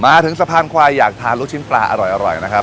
มาถึงสะพานควายอยากทานลูกชิ้นปลาอร่อยนะครับ